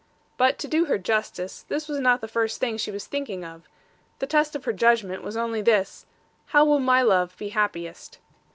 But to do her justice, this was not the first thing she was thinking of: the test of her judgment was only this, 'How will my love be happiest?'